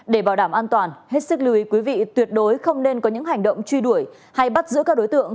để bảo đảm an toàn hết sức lưu ý quý vị tuyệt đối không nên có những hành động truy đuổi hay bắt giữ các đối tượng